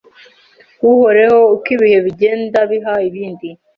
uhoreho uko ibihe bizegende bihe ibindi,